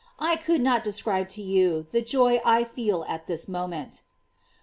I could not describe to you the joy I feel at this moment."